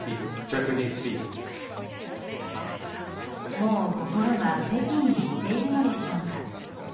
もう心は北京に行っているのでしょうか。